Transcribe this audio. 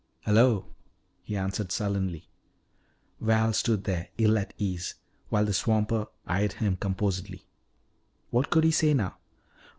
"Hullo," he answered sullenly. Val stood there, ill at ease, while the swamper eyed him composedly. What could he say now?